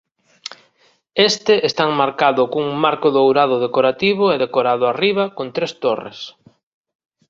Este está enmarcado cun marco dourado decorativo e decorado arriba con tres torres.